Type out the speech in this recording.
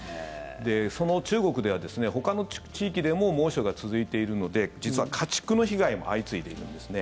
その中国では、ほかの地域でも猛暑が続いているので実は、家畜の被害も相次いでいるんですね。